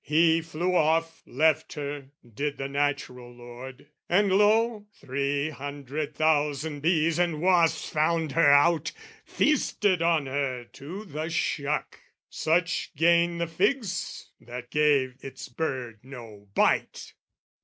"He flew off, left her, did the natural lord, "And lo, three hundred thousand bees and wasps "Found her out, feasted on her to the shuck: "Such gain the fig's that gave its bird no bite!